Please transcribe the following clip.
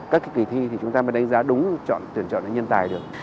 các cái kỳ thi thì chúng ta mới đánh giá đúng chọn tuyển chọn đến nhân tài được